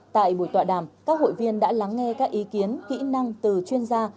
tại buổi tọa đàm các hội viên đã lắng nghe các ý kiến kỹ năng từ chuyên gia